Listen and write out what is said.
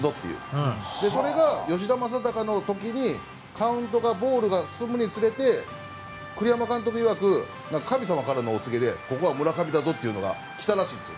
それが吉田正尚の時にカウントがボールが続いて栗山監督いわく神様からのお告げでここは村上だぞっていうのが来たらしいんです。